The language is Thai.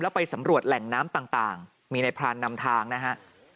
ไปสำรวจแหล่งน้ำต่างมีในพรานนำทางนะฮะ